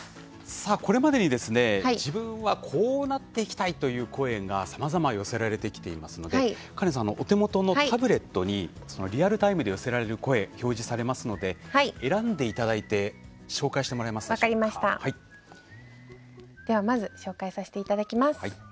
これまでに自分はこうなっていきたいという声がさまざま寄せられてきていますのでカレンさん、お手元のタブレットにリアルタイムで寄せられる声表示されますので選んでいただいて紹介させていただきます。